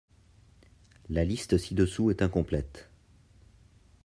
La liste ci-dessous est incomplète.